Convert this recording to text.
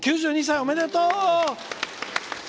おめでとう！